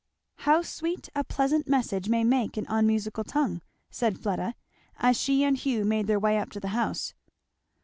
"How sweet a pleasant message may make an unmusical tongue," said Fleda, as she and Hugh made their way up to the house.